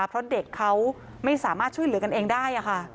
เพราะเด็กเขาไม่สามารถช่วยเหลือกันเองได้ค่ะ